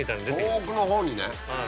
遠くのほうにね。